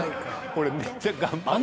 俺めっちゃ頑張ったって。